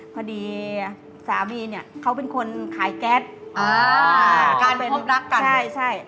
พอดีสามีเนี่ยเขาเป็นคนขายแก๊สอ่าการไปพบรักกันใช่ใช่